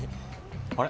あれ？